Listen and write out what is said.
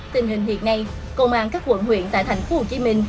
tình hình hiện nay công an các quận huyện tại thành phố hồ chí minh